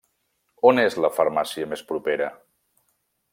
On és la farmàcia més propera?